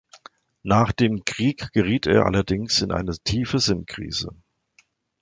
Nach dem Krieg geriet er allerdings in eine tiefe Sinnkrise.